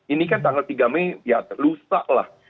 ini kan tanggal tiga mei ya lusa lah